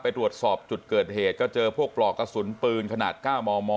ตรวจสอบจุดเกิดเหตุก็เจอพวกปลอกกระสุนปืนขนาด๙มม